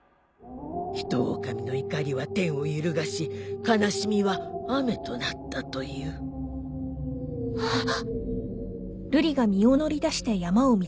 ヒトオオカミの怒りは天を揺るがし悲しみは雨となったという・・あっ。